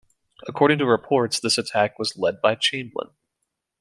According to reports, this attack was led by Chamblain.